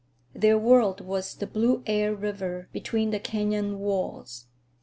Their world was the blue air river between the canyon walls.